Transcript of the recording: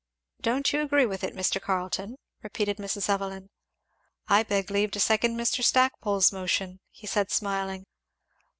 "Don't you agree with it, Mr. Carleton," repeated Mrs. Evelyn. "I beg leave to second Mr. Stackpole's motion," he said smiling.